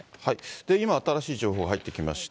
今新しい情報が入ってきました。